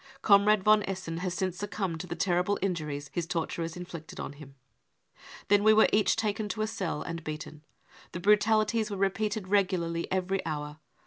Comrade von Essen has since succumbed to the terrible injuries his torturers inflicted on him. ..." Then we were each taken to a cell and beaten. The brutalities were repeated regularly every hour.